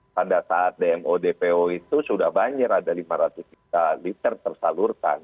pada saat dmo dpo itu sudah banjir ada lima ratus juta liter tersalurkan